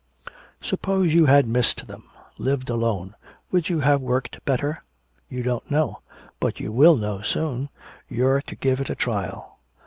Suppose you had missed them, lived alone, would you have worked better? You don't know. But you will know soon, you're to give it a trial.